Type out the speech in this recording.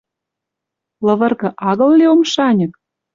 Лывыргы агыл ли омшаньык —